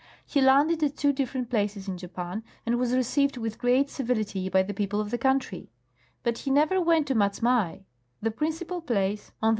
He landed at two different places in Japan and was received with great civility by the people of the country ; but he never went to Matsmai, the principal jalace 226 General A.